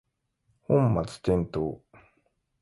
本末転倒